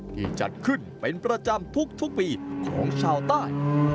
จัดขึ้นเป็นประจำทุกปีของชาวใต้